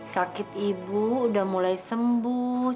sakit ibu udah mulai sembuh